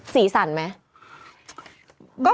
สีสันมั้ย